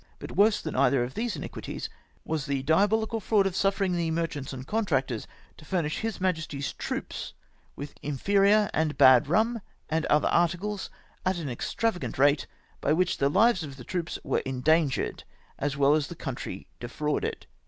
But worse than either of these iniquities was the diabolical fraud of suffering the merchants and contractors to furnish His Majesty's troops with inferior and bad rum, and other articles, at an extravagant rate, by which the lives of the troops were endangered, as well as the country de frauded.